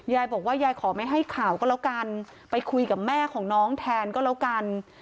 ยายบอกว่ายายขอไม่ให้ข่าวก็แล้วกันไปคุยกับแม่ของน้องแทนก็แล้วกัน